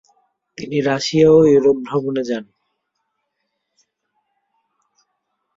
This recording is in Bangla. তিনি রাশিয়া ও ইউরোপ ভ্রমণে যান।